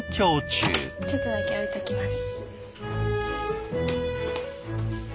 ちょっとだけ置いときます。